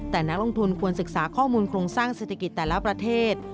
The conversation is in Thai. แต่นักลงทุนควรศึกษาข้อมูลโครงสร้างเศรษฐกิจแต่ละประเทศ